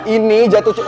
ini jatuh cinta